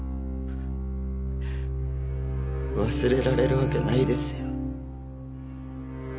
忘れられるわけないですよ。